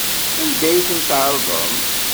Anda ay tent-tɛerḍem?